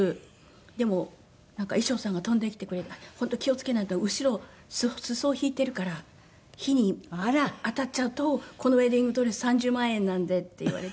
でも衣装さんが飛んできてくれて「本当気をつけないと後ろ裾を引いているから火に当たっちゃうとこのウェディングドレス３０万円なんで」って言われて。